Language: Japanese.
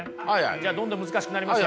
じゃあどんどん難しくなりますよ。